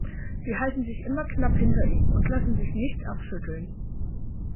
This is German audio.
Sie halten sich immer knapp hinter ihm und lassen sich nicht abschütteln.